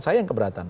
saya yang keberatan